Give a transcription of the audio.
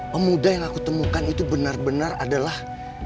pemuda yang aku temukan itu benar benar adalah